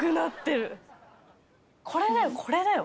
これだよこれだよ。